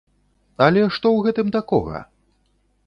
Але што ў гэтым такога?!